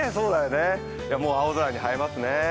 青空に映えますね。